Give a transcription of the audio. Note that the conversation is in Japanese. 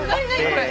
これ。